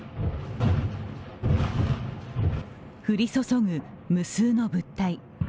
降り注ぐ無数の物体。